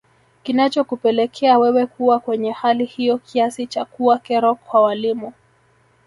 Kinachokupelekea wewe kuwa kwenye hali hiyo kiasi cha kuwa kero kwa walimu